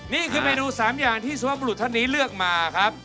นี่คือเมนู๓อย่างที่สวบรุษท่านนี้เลือกมาครับ